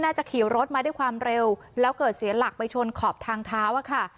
ขี่รถมาด้วยความเร็วแล้วเกิดเสียหลักไปชนขอบทางเท้าอะค่ะ